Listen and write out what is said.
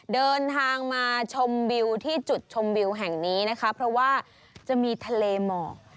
เดินทางมาชมวิวที่จุดชมวิวแห่งนี้นะคะเพราะว่าจะมีทะเลหมอก